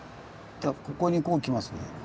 ここにこう来ますね。